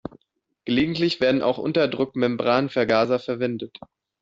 Gelegentlich werden auch Unterdruck-Membranvergaser verwendet.